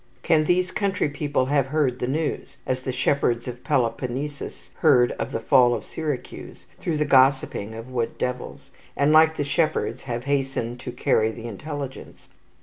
Can these country people have heard the news, as the shepherds of Peloponnesus heard of the fall of Syracuse, through the gossiping of wood devils, and, like the shepherds, have hastened to carry the intelligence?